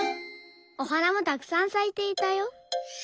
おはなもたくさんさいていたよ。